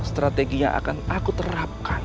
strategi yang akan aku terapkan